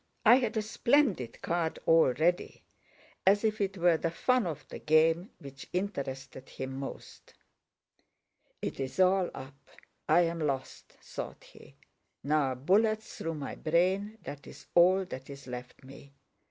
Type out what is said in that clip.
I had a splendid card all ready," as if it were the fun of the game which interested him most. "It's all up! I'm lost!" thought he. "Now a bullet through my brain—that's all that's left me!"